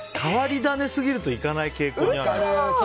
変わり種すぎるといかない傾向が。